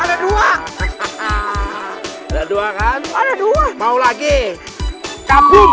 ada dua kan ada dua mau lagi kabin